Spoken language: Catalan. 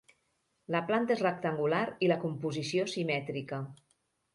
La planta és rectangular i la composició simètrica.